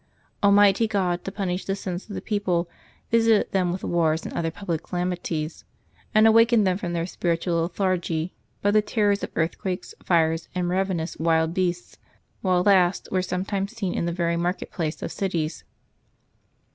Almighty God, to punish the sins of the people, visited them with wars and other public calamities, and awaked them from their spiritual lethargy by the terrors of earthquakes, fires, and ravenous wild beasts, which last were sometimes seen in the very market place of cities.